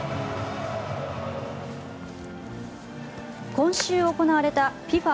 今週行われたＦＩＦＡ